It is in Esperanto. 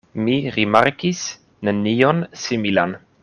Mi rimarkis nenion similan.